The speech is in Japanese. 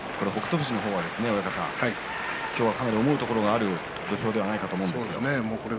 富士の方は今日はかなり思うところがある土俵ではないかと思うんですが。